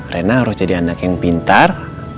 rena harus jadi anak yang pintar